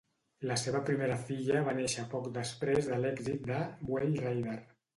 La seva primera filla va néixer poc després de l'èxit de "Whale Rider".